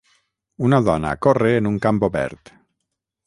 Una dona corre en un camp obert